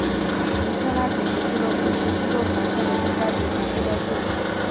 尼特拉足球俱乐部是斯洛伐克的一家足球俱乐部。